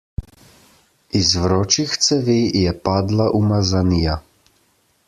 Iz vročih cevi je padla umazanija.